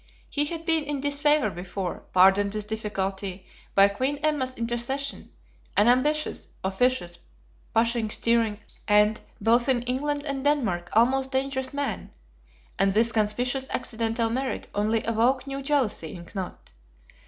He had been in disfavor before, pardoned with difficulty, by Queen Emma's intercession; an ambitious, officious, pushing, stirring, and, both in England and Denmark, almost dangerous man; and this conspicuous accidental merit only awoke new jealousy in Knut.